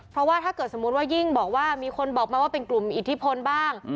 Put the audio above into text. เพราะว่าถ้าเกิดสมมุติว่ายิ่งบอกว่ามีคนบอกมาว่าเป็นกลุ่มอิทธิพลบ้าง